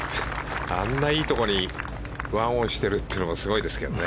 あんないいところに１オンしてるのがすごいですね。